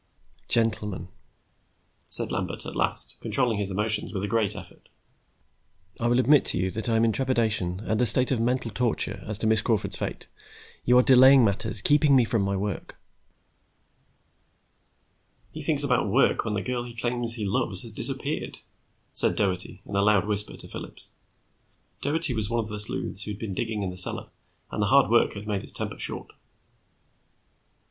"Gentlemen," said Lambert at last, controlling his emotions with a great effort. "I will admit to you that I am in trepidation and a state of mental torture as to Miss Crawford's fate. You are delaying matters, keeping me from my work." "He thinks about work when the girl he claims he loves has disappeared," said Doherty, in a loud whisper to Phillips. Doherty was one of the sleuths who had been digging in the cellar, and the hard work had made his temper short.